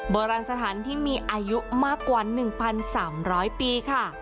โบรังสัตว์ภัณฑ์ที่มีอายุมากกว่า๑๓๐๐ปีค่ะ